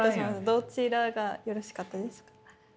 どちらがよろしかったですか？